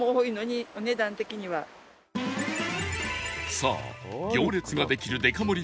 さあ行列ができるデカ盛り